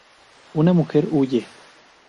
Una mujer huye.